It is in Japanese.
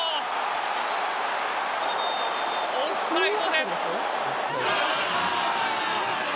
オフサイドです。